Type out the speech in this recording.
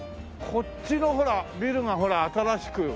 こっちのほらビルが新しく。